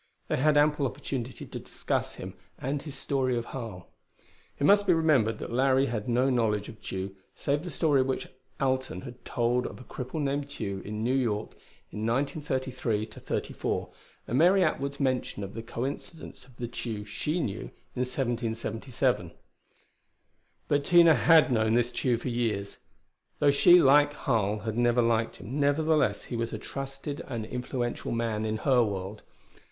They had ample opportunity to discuss him and his story of Harl. It must be remembered that Larry had no knowledge of Tugh, save the story which Alten had told of a cripple named Tugh in New York in 1933 34; and Mary Atwood's mention of the coincidence of the Tugh she knew in 1777. But Tina had known this Tugh for years. Though she, like Harl, had never liked him, nevertheless he was a trusted and influential man in her world.